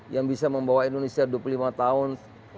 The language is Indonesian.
yang bisa membawa indonesia dua puluh lima tahun